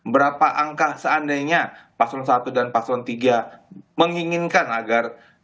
berapa angka seandainya paslon satu dan paslon tiga menginginkan agar